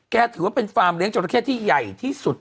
ถือว่าเป็นฟาร์มเลี้ยจราเข้ที่ใหญ่ที่สุด